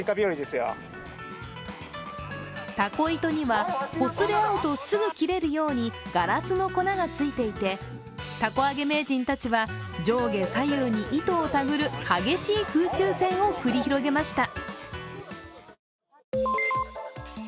凧糸にはこすれ合うとすぐ切れるようにガラスの粉がついていて、凧揚げ名人たちは上下左右に糸をたぐる激しい空中戦を繰り広げました。